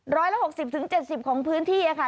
ร้อยละหกสิบถึงเจ็ดสิบของพื้นที่เนี่ยค่ะ